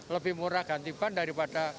lebih murah ganti ban daripada